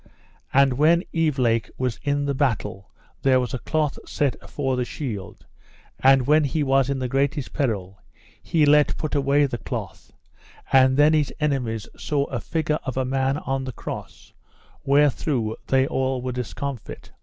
For when Evelake was in the battle there was a cloth set afore the shield, and when he was in the greatest peril he let put away the cloth, and then his enemies saw a figure of a man on the Cross, wherethrough they all were discomfit.